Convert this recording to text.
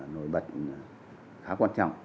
nổi bật khá quan trọng